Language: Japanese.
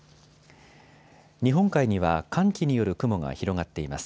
日本海には寒気による雲が広がっています。